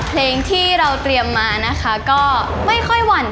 ตอนนี้เชิญทอดก่อนเลย